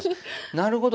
なるほど。